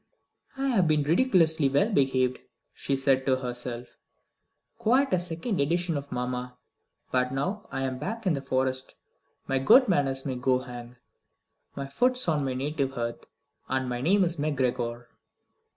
"I have been ridiculously well behaved," she said to herself, "quite a second edition of mamma. But now I am back in the Forest my good manners may go hang. 'My foot's on my native heath, and my name is McGregor.'"